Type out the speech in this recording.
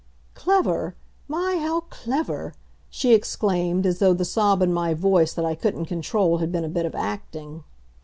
"Clever! My, how clever!" she exclaimed, as though the sob in my voice that I couldn't control had been a bit of acting.